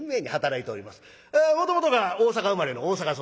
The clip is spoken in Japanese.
もともとが大阪生まれの大阪育ち。